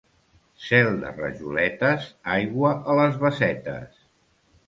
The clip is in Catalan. Cel de rajoletes, aigua a les bassetes.